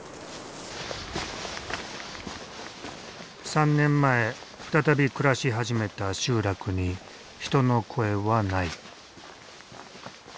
３年前再び暮らし始めた集落に人の声はない。